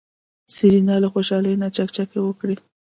سېرېنا له خوشحالۍ نه چکچکې وکړې.